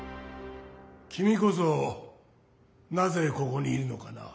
きみこそなぜここにいるのかな？